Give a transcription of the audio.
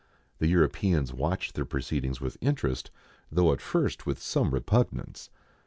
The Europeans watched their proceedings with interest, though at first with some repugnance.